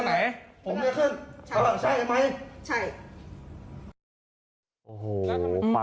อ๊าวแล้วเนี่ยเหรอ